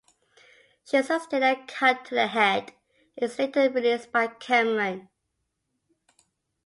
She sustains a cut to the head, and is later released by Cameron.